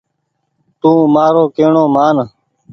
تو مآرو ڪيهڻو مان ۔